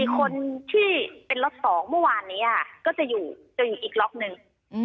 คนที่เป็นล็อต๒เมื่อวานนี้ก็จะอยู่อีกล็อกหนึ่ง